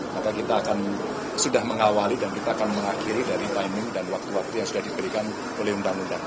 maka kita akan sudah mengawali dan kita akan mengakhiri dari timing dan waktu waktu yang sudah diberikan oleh undang undang